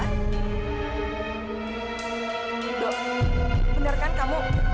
tante edo bener kan kamu